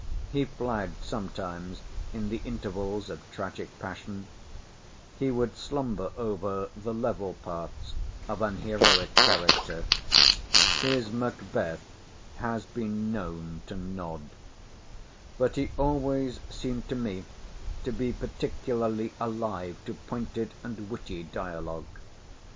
He flagged sometimes in the intervals of tragic passion. He would slumber over the level parts of an heroic character. His Macbeth has been known to nod. But he always seemed to me to be particularly alive to pointed and witty dialogue.